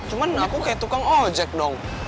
cuma aku kayak tukang ojek dong